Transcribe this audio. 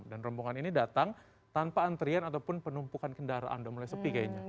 dan rombongan ini datang tanpa antrian ataupun penumpukan kendaraan udah mulai sepi kayaknya